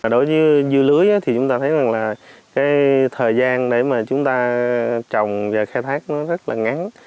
đối với dưa lưới thì chúng ta thấy rằng là cái thời gian để mà chúng ta trồng và khai thác nó rất là ngắn